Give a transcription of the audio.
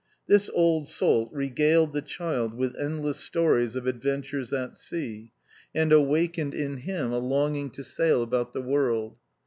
This old salt regaled the child with endless stories of adventures at sea, and awakened vi PREFACE in him a longing to sail about the world.